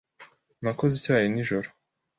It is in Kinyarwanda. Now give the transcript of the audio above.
Nakoze icyayi nijoro.